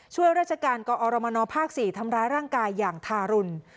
ช่วยราชการกอรมนภ๔ทำร้ายร่างกายอย่างทารุณ